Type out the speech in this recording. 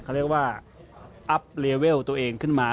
เขาเรียกว่าอัพเลเวลตัวเองขึ้นมา